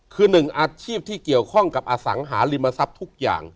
คือหนึ่งอาชีพที่เกี่ยวข้องกับอสังหาริมทรัพย์ทุกอย่าง